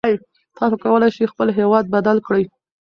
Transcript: تاسو کولای شئ خپل هېواد بدل کړئ.